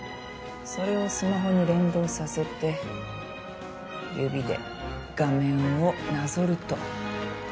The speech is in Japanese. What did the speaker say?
それをスマホに連動させて指で画面をなぞると。